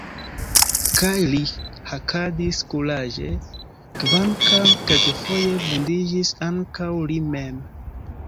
Kaj li hakadis kuraĝe, kvankam kelkfoje vundiĝis ankaŭ li mem.